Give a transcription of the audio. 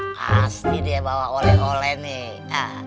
pasti dia bawa oleh oleh nih